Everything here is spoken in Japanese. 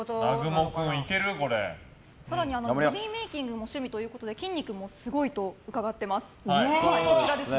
更にボディーメイキングも趣味ということで筋肉もすごいと伺っています。